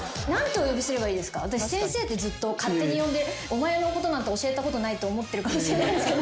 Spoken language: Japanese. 私「先生」ってずっと勝手に呼んでお前のことなんて教えたことないって思ってるかもしれないんですけど。